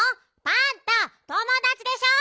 パンタともだちでしょ！